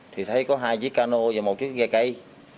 thì thấy có hai chiếc cano và một chiếc ghe cây